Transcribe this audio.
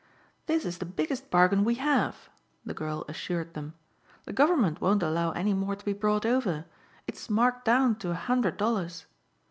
"This is the biggest bargain we have," the girl assured them. "The government won't allow any more to be brought over. It's marked down to a hundred dollars."